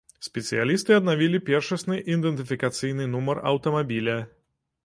Спецыялісты аднавілі першасны ідэнтыфікацыйны нумар аўтамабіля.